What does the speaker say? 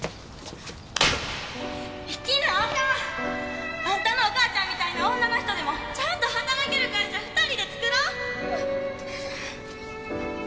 生きなあかん！あんたのお母ちゃんみたいな女の人でもちゃんと働ける会社２人で作ろう！